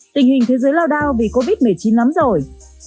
tình hình thế giới lao đao vì covid một mươi chín lắm rồi